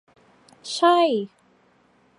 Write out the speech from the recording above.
ใช่